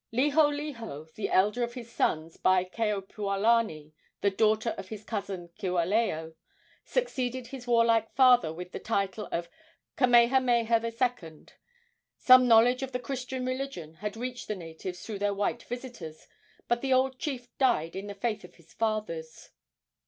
Liholiho, the elder of his sons by Keopuolani, the daughter of his cousin Kiwalao, succeeded his warlike father with the title of Kamehameha II. Some knowledge of the Christian religion had reached the natives through their white visitors, but the old chief died in the faith of his fathers.